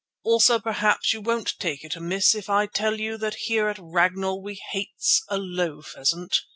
Also perhaps you won't take it amiss if I tell you that here at Ragnall we hates a low pheasant.